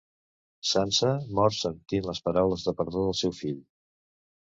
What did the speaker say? Sança mort sentint les paraules de perdó del seu fill.